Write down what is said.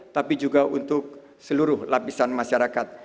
tapi juga untuk seluruh lapisan masyarakat